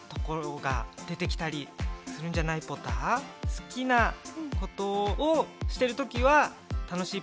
好きなことをしてるときは楽しいポタ？